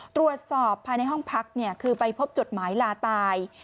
ตรวจสอบภายในห้องพักคือไปพบจดหมายลาตาย